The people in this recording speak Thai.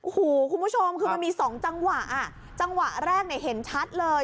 คุณผู้ชมคือมันมี๒จังหวะจังหวะแรกเห็นชัดเลย